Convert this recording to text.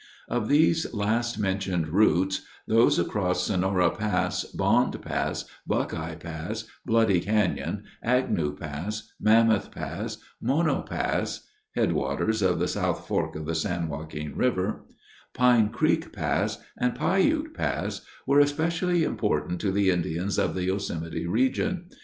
Of these last mentioned routes, those across Sonora Pass, Bond Pass, Buckeye Pass, Bloody Canyon, Agnew Pass, Mammoth Pass, Mono Pass (headwaters of the South Fork of the San Joaquin River), Pine Creek Pass, and Piute Pass were especially important to the Indians of the Yosemite region.